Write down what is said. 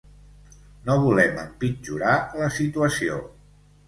No volem empitjorar la situació.